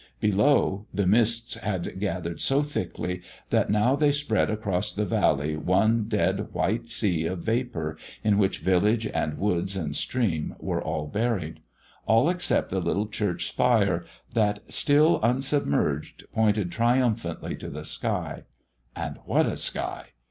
Below, the mists had gathered so thickly that now they spread across the valley one dead white sea of vapour in which village and woods and stream were all buried all except the little church spire, that, still unsubmerged, pointed triumphantly to the sky; and what a sky!